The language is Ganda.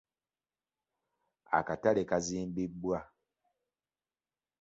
Akatale kazimbibwa.